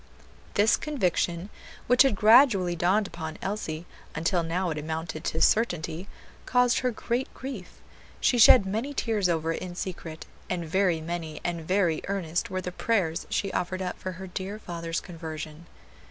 This conviction, which had gradually dawned upon Elsie, until now it amounted to certainty, caused her great grief; she shed many tears over it in secret, and very many and very earnest were the prayers she offered up for her dear father's conversion.